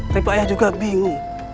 tapi ayah juga bingung